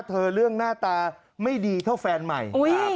เรื่องหน้าตาไม่ดีเท่าแฟนใหม่